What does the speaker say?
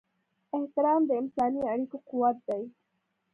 احترام د انساني اړیکو قوت دی.